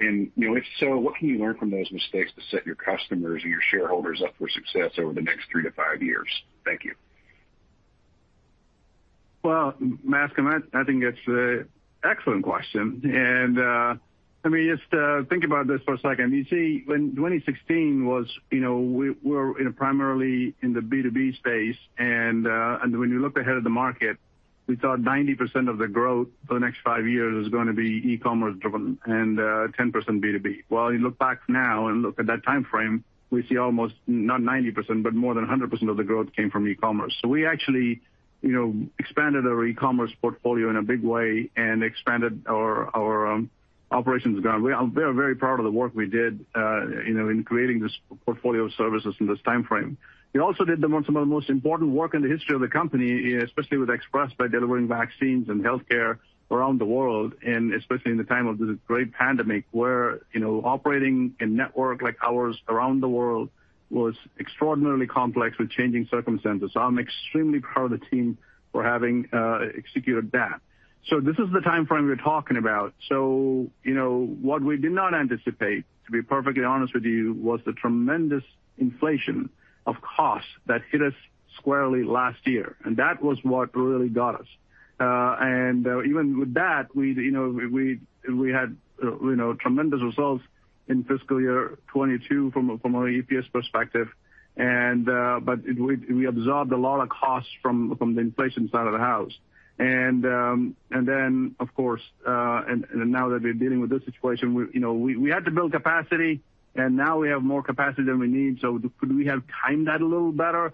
You know, if so, what can you learn from those mistakes to set your customers or your shareholders up for success over the next three to five years? Thank you. Well, Bascome, I think it's an excellent question. Let me just think about this for a second. You see, when 2016 was, you know, we were primarily in the B2B space, and when you looked ahead at the market, we thought 90% of the growth for the next five years was gonna be e-commerce driven and 10% B2B. Well, you look back now and look at that timeframe, we see almost not 90%, but more than 100% of the growth came from e-commerce. We actually, you know, expanded our e-commerce portfolio in a big way and expanded our Ground operations. We are very proud of the work we did, you know, in creating this portfolio of services in this timeframe. We also did some of the most important work in the history of the company, especially with Express, by delivering vaccines and healthcare around the world, and especially in the time of this great pandemic, where, you know, operating a network like ours around the world was extraordinarily complex with changing circumstances. I'm extremely proud of the team for having executed that. This is the timeframe we're talking about. You know, what we did not anticipate, to be perfectly honest with you, was the tremendous inflation of costs that hit us squarely last year, and that was what really got us. Even with that, we'd, you know, we had, you know, tremendous results in fiscal year 2022 from an EPS perspective. We absorbed a lot of costs from the inflation side of the house. Then, of course, now that we're dealing with this situation, you know, we had to build capacity, and now we have more capacity than we need. Could we have timed that a little better?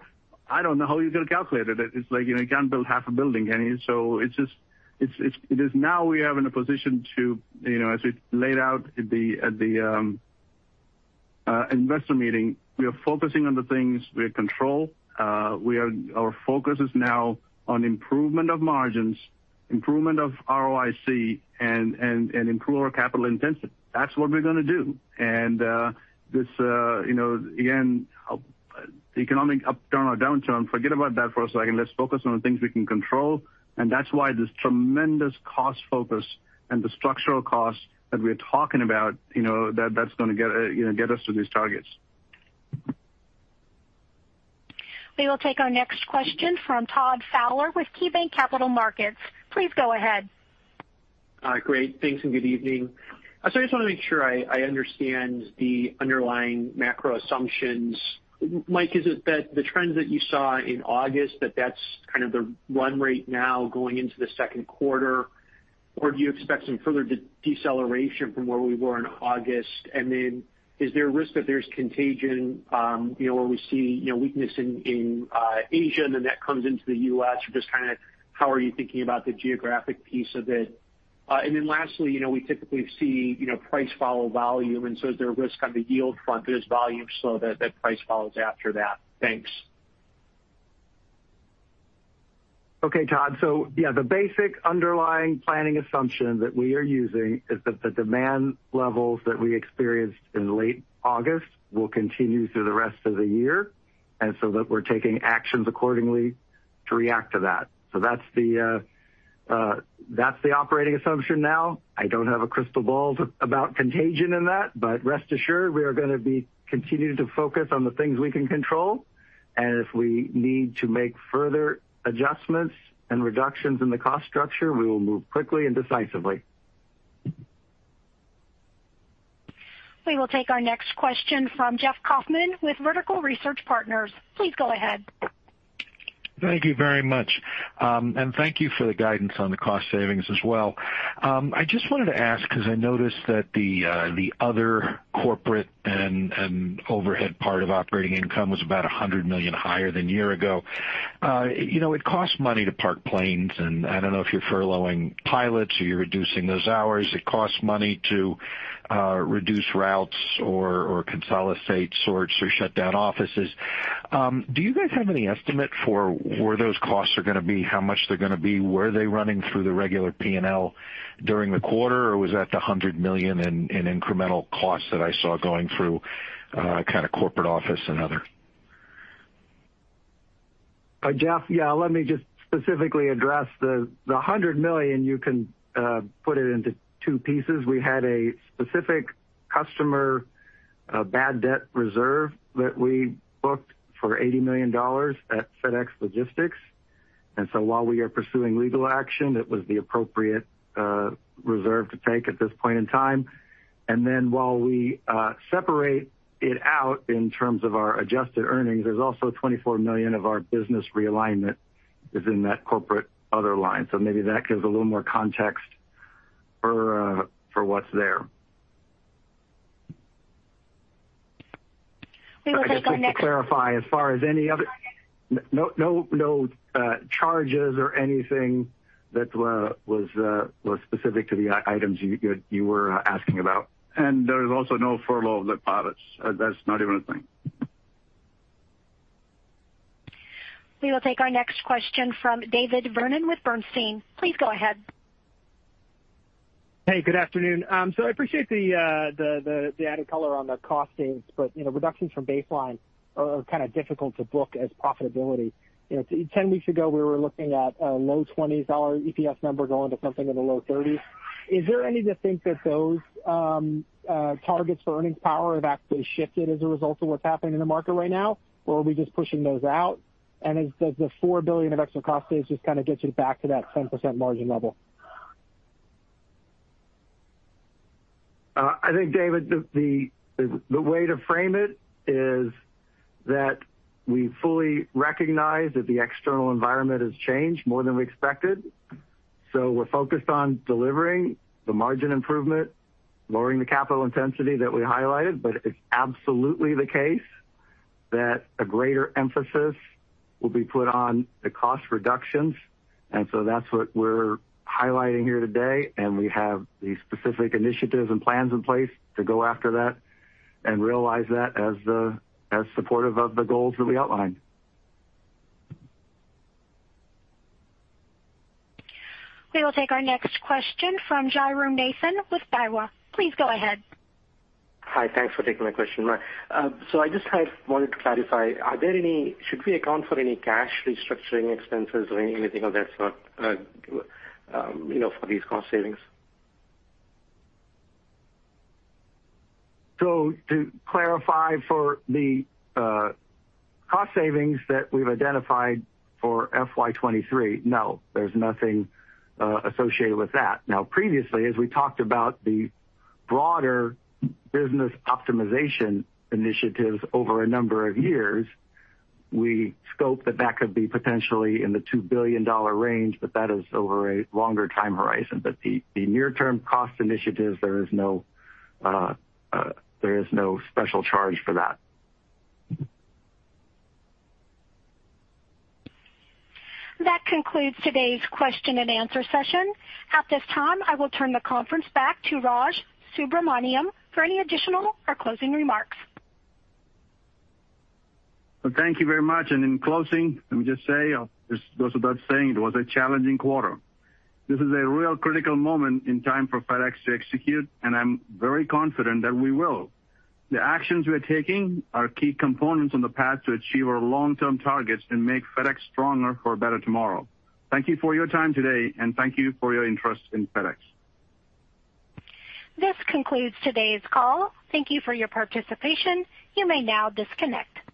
I don't know how you're gonna calculate it. It's like, you know, you can't build half a building, can you? It's just. It is now we are in a position to, you know, as we laid out at the investor meeting, we are focusing on the things we control. Our focus is now on improvement of margins, improvement of ROIC and improve our capital intensity. That's what we're gonna do. This, you know, again, the economic upturn or downturn, forget about that for a second. Let's focus on the things we can control, and that's why this tremendous cost focus and the structural costs that we're talking about, you know, that's gonna get us to these targets. We will take our next question from Todd Fowler with KeyBanc Capital Markets. Please go ahead. Great. Thanks, and good evening. I just wanna make sure I understand the underlying macro assumptions. Mike, is it that the trends that you saw in August, that that's kind of the run rate now going into the second quarter, or do you expect some further deceleration from where we were in August? And then is there a risk that there's contagion, you know, where we see, you know, weakness in, Asia and then that comes into the U.S.? Or just kinda how are you thinking about the geographic piece of it? And then lastly, you know, we typically see, you know, price follow volume, and so is there a risk on the yield front if there's volume so that price follows after that? Thanks. Okay, Todd. Yeah, the basic underlying planning assumption that we are using is that the demand levels that we experienced in late August will continue through the rest of the year, and so that we're taking actions accordingly. To react to that. That's the operating assumption now. I don't have a crystal ball about contagion in that, but rest assured we are gonna be continuing to focus on the things we can control. If we need to make further adjustments and reductions in the cost structure, we will move quickly and decisively. We will take our next question from Jeff Kauffman with Vertical Research Partners. Please go ahead. Thank you very much. Thank you for the guidance on the cost savings as well. I just wanted to ask because I noticed that the other corporate and overhead part of operating income was about $100 million higher than a year ago. You know, it costs money to park planes, and I don't know if you're furloughing pilots or you're reducing those hours. It costs money to reduce routes or consolidate sorts or shut down offices. Do you guys have any estimate for where those costs are gonna be? How much they're gonna be? Were they running through the regular P&L during the quarter, or was that the $100 million in incremental costs that I saw going through kinda corporate office and other? Jeff, yeah, let me just specifically address the $100 million. You can put it into two pieces. We had a specific customer bad debt reserve that we booked for $80 million at FedEx Logistics. While we are pursuing legal action, it was the appropriate reserve to take at this point in time. While we separate it out in terms of our adjusted earnings, there's also $24 million of our business realignment is in that corporate other line. Maybe that gives a little more context for what's there. We will take our next. I guess just to clarify, as far as any other. Go ahead. No, no, charges or anything that was specific to the items you were asking about. There is also no furlough of the pilots. That's not even a thing. We will take our next question from David Vernon with Bernstein. Please go ahead. Hey, good afternoon. So I appreciate the added color on the cost savings, but you know, reductions from baseline are kinda difficult to book as profitability. You know, 10 weeks ago, we were looking at a low-$20s EPS number going to something in the low $30s. Is there any reason to think that those targets for earnings power have actually shifted as a result of what's happening in the market right now? Or are we just pushing those out? Is the $4 billion of extra cost savings just kinda gets you back to that 10% margin level? I think, David, the way to frame it is that we fully recognize that the external environment has changed more than we expected. We're focused on delivering the margin improvement, lowering the capital intensity that we highlighted, but it's absolutely the case that a greater emphasis will be put on the cost reductions. That's what we're highlighting here today, and we have the specific initiatives and plans in place to go after that and realize that as supportive of the goals that we outlined. We will take our next question from Jairam Nathan with Daiwa. Please go ahead. Hi. Thanks for taking my question. I wanted to clarify. Should we account for any cash restructuring expenses or anything of that sort, you know, for these cost savings? To clarify for the cost savings that we've identified for FY 2023, no, there's nothing associated with that. Now, previously, as we talked about the broader business optimization initiatives over a number of years, we scoped that could be potentially in the $2 billion range, but that is over a longer time horizon. The near term cost initiatives, there is no special charge for that. That concludes today's question and answer session. At this time, I will turn the conference back to Raj Subramaniam for any additional or closing remarks. Well, thank you very much. In closing, let me just say, it goes without saying it was a challenging quarter. This is a real critical moment in time for FedEx to execute, and I'm very confident that we will. The actions we are taking are key components on the path to achieve our long-term targets and make FedEx stronger for a better tomorrow. Thank you for your time today, and thank you for your interest in FedEx. This concludes today's call. Thank you for your participation. You may now disconnect.